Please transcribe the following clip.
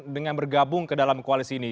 dengan bergabung ke dalam koalisi ini